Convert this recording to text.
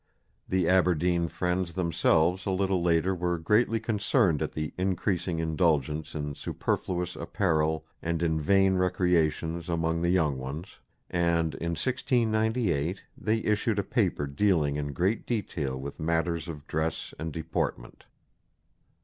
The Aberdeen Friends themselves a little later were greatly concerned at the increasing indulgence in "superfluous apparell and in vain recreations among the young ones"; and in 1698 they issued a paper dealing in great detail with matters of dress and deportment.